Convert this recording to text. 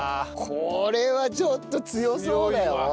これはちょっと強そうだよ！